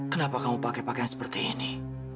kenapa kamu pakai pakai yang seperti ini